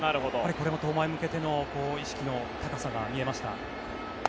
これは登板へ向けての意識の高さが見えました。